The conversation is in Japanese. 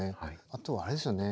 あとはあれですよね